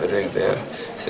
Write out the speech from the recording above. ada yang terakhir